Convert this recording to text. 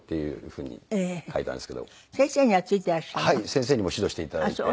先生にも指導して頂いて。